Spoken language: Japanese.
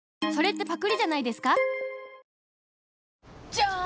じゃーん！